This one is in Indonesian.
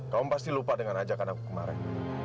kamu pasti lupa dengan ajakan aku kemarin